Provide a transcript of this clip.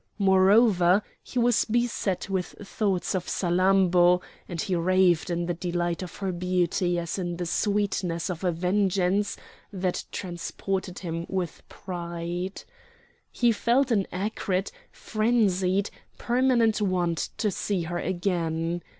Moreover, he was beset with thoughts of Salammbô, and he raved in the delight of her beauty as in the sweetness of a vengeance that transported him with pride. He felt an acrid, frenzied, permanent want to see her again.